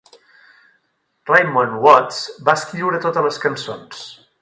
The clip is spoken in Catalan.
Raymond Watts va escriure totes les cançons.